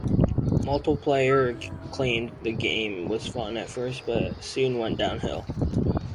Multiplayer claimed the game was fun at first, but soon went downhill.